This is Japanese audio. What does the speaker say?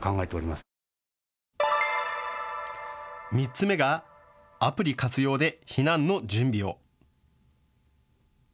３つ目がアプリ活用で避難の準備を。